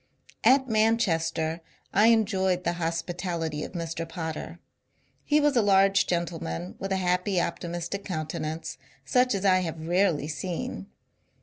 At Manchester I enjoyed the hospitality of Mr. Potter. He was a large gentleman with a happy optimistic counte nance such as I have rarely seen.